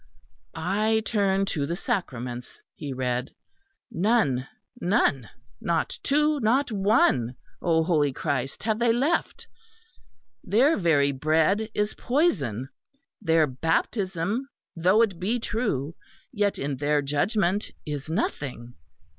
"I turn to the Sacraments," he read, "none, none, not two, not one, O holy Christ, have they left. Their very bread is poison. Their baptism, though it be true, yet in their judgment is nothing.